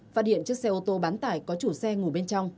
phát hiện chiếc xe ô tô bán tải có chủ xe ngủ bên trong